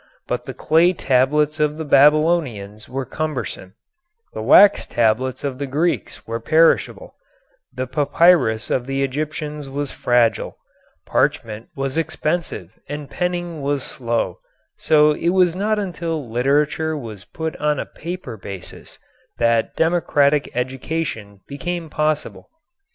But the clay tablets of the Babylonians were cumbersome; the wax tablets of the Greeks were perishable; the papyrus of the Egyptians was fragile; parchment was expensive and penning was slow, so it was not until literature was put on a paper basis that democratic education became possible.